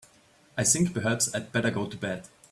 I think perhaps I'd better go to bed.